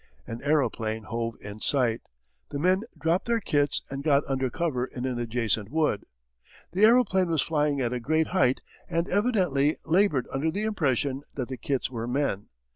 An aeroplane hove in sight. The men dropped their kits and got under cover in an adjacent wood. The aeroplane was flying at a great height and evidently laboured under the impression that the kits were men.